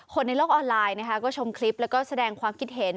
ในโลกออนไลน์นะคะก็ชมคลิปแล้วก็แสดงความคิดเห็น